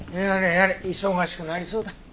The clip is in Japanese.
やれやれ忙しくなりそうだ。